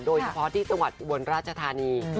โดยเฉพาะติดตระวัดวลราชธานี